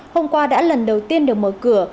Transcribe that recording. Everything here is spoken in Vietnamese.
hôm qua đã lần đầu tiên được mở cửa